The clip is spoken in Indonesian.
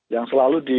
yang selalu di